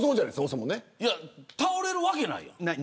倒れるわけないやん。